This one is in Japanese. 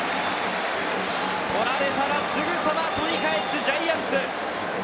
取られたらすぐさま取り返すジャイアンツ！